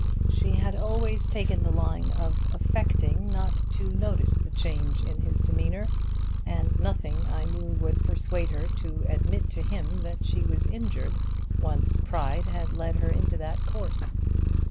She had always taken the line of affecting not to notice the change in his demeanor, and nothing, I knew, would persuade her to admit to him that she was injured, once pride had led her into that course.